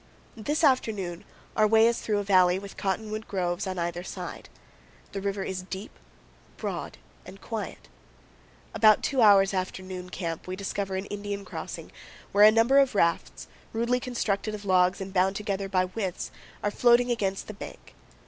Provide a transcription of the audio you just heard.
This afternoon our way is through a valley with cottonwood groves on either side. The river is deep, broad, and quiet. About two hours after noon camp we discover an Indian crossing, where a number of rafts, rudely constructed of logs and bound together by withes, are FROM THE UINTA TO THE GRAND. 199 floating against the bank.